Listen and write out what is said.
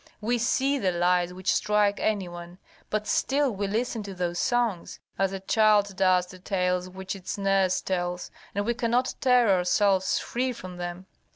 We see the lies which strike any one, but still we listen to those songs, as a child does to tales which its nurse tells, and we cannot tear ourselves free from them.